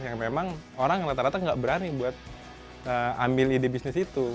yang memang orang rata rata nggak berani buat ambil ide bisnis itu